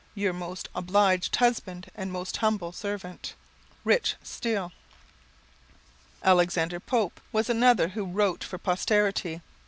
Your most obliged husband and most humble servant, Rich. Steele." Alexander Pope was another who wrote for posterity.